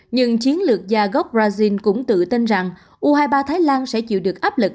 nhưng chiến lược gia gốc brazil cũng tự tin rằng u hai mươi ba thái lan sẽ chịu được áp lực